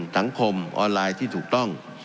สังคมออนไลน์ที่ถูกต้อง